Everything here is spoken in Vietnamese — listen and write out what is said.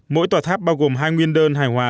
mỗi tòa tháp bao gồm hai nguyên đơn hài hòa